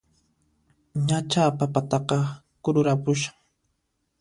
Ñachá papataqa kururanpushan!